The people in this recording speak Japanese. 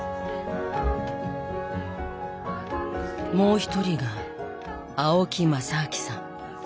もう１人が青木正明さん。